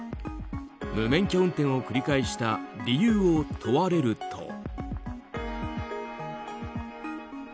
無免許運転を繰り返した理由を問われると。